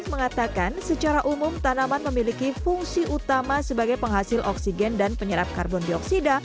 mengatakan secara umum tanaman memiliki fungsi utama sebagai penghasil oksigen dan penyerap karbon dioksida